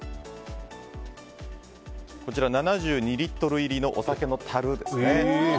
７２リットル入りのお酒のたるですね。